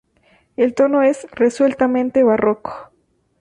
El tono es resueltamente barroco.